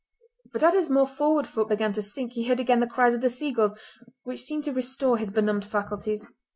But as his more forward foot began to sink he heard again the cries of the seagulls which seemed to restore his benumbed faculties.